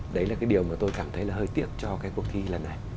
đấy là cái điều mà tôi cảm thấy là hơi tiếc cho cái cuộc thi lần này